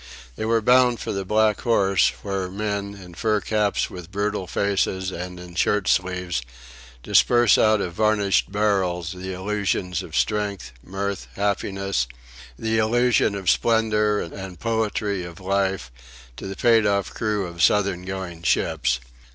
They were bound for the Black Horse, where men, in fur caps with brutal faces and in shirt sleeves, dispense out of varnished barrels the illusions of strength, mirth, happiness; the illusion of splendour and poetry of life, to the paid off crews of southern going ships.